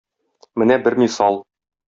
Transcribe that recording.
Менә бер мисал.